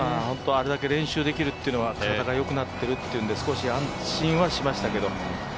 本当にあれだけ練習できるというのは、体がよくなっていると少し安心はしましたけれども。